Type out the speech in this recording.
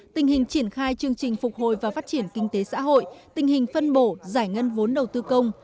tình hình triển khai chương trình phục hồi và phát triển kinh tế xã hội tình hình phân bổ giải ngân vốn đầu tư công